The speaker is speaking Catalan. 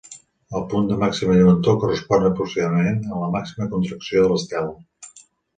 El punt de màxima lluentor correspon aproximadament a la màxima contracció de l'estel.